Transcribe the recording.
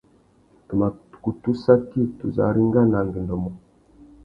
Tu mà kutu saki tu zu arengāna angüêndô mô.